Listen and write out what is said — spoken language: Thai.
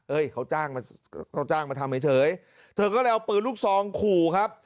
เขาจ้างมาเขาจ้างมาทำเฉยเธอก็เลยเอาปืนลูกซองขู่ครับ